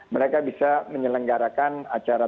mereka bisa menyelenggarakan acara